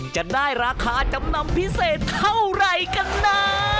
จะได้ราคาจำนำพิเศษเท่าไรกันนะ